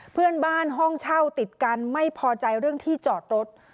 เพื่อนบ้านห้องเช่าติดกันไม่พอใจเรื่องที่จอดรถ